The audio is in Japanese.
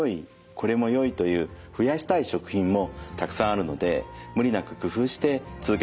「これもよい」という増やしたい食品もたくさんあるので無理なく工夫して続けてください。